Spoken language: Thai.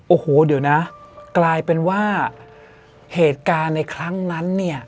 โอ้โหเดี๋ยวนะกลายเป็นว่าเหตุการณ์ในครั้งนั้นเนี่ย